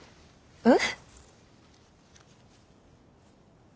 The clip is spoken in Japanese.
えっ？